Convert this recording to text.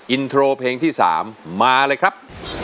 อินโทรเพลงที่๓มาเลยครับ